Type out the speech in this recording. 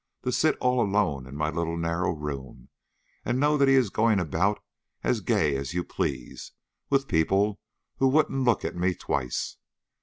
To sit all alone in my little narrow room and know that he is going about as gay as you please with people who wouldn't look at me twice.